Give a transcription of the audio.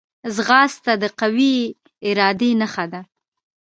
ځغاسته د قوي ارادې نښه ده